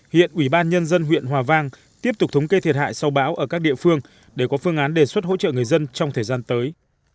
hiện ủy ban nhân dân huyện hòa vang tiếp tục thống kê thiệt hại sau bão ở các địa phương để có phương án đề xuất hỗ trợ người dân trong thời gian tới